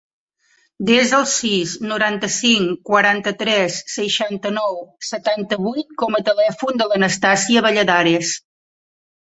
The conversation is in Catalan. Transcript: Desa el sis, noranta-cinc, quaranta-tres, seixanta-nou, setanta-vuit com a telèfon de l'Anastàsia Valladares.